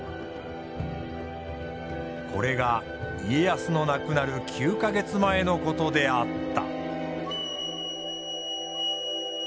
これが家康の亡くなる９か月前のことであった。